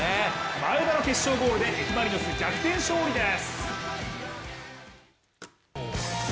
前田の決勝ゴールでＦ・マリノス、逆転勝利です。